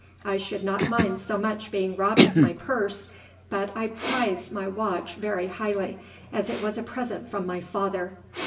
I should not mind so much being robbed of my purse, but I prize my watch very highly as it was a present from my father.